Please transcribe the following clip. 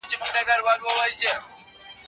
د کیبورډ غږ د ده د تمرکز د زیاتوالي سبب کېده.